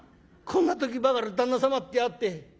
「こんな時ばかり旦那様って言いやがって。